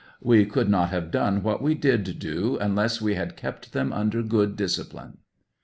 We could not have done what we did do unless we had kept them under good discipline